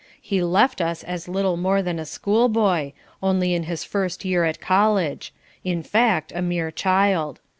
He left us as little more than a school boy, only in his first year at college; in fact, a mere child.